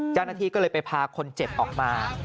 เจ้าหน้าที่ก็เลยไปพาคนเจ็บออกมา